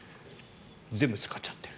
全部使っちゃってる。